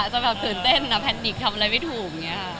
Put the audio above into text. จะฟับตื่นเต้นอ่ะแพนนิกมากทำอะไรไม่ถูก